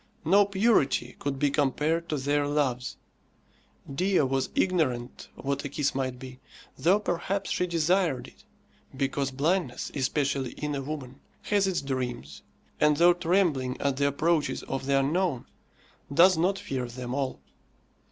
No purity could be compared to their loves. Dea was ignorant what a kiss might be, though perhaps she desired it; because blindness, especially in a woman, has its dreams, and though trembling at the approaches of the unknown, does not fear them all.